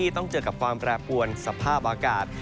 ต้องเจอกับความแปรปวนสภาพอากาศ